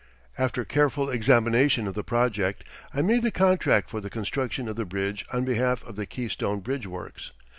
After careful examination of the project I made the contract for the construction of the bridge on behalf of the Keystone Bridge Works.